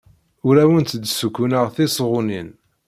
Ur awent-d-ssukkuneɣ tisɣunin.